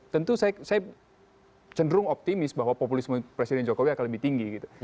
tentu saya cenderung optimis bahwa populisme presiden jokowi akan lebih tinggi gitu